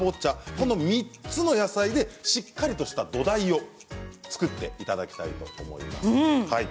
この３つの野菜でしっかりとした土台を作ってもらいます。